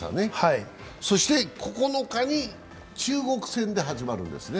それで、９日に中国戦で始まるんですね。